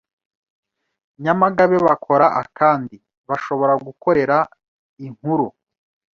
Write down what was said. Nyamagabe: Bakora a kandi bashobora gukorera inkuru